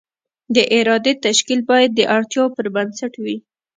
د ادارې تشکیل باید د اړتیاوو پر بنسټ وي.